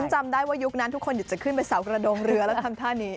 จำได้ว่ายุคนั้นทุกคนอยากจะขึ้นไปเสากระดงเรือแล้วทำท่านี้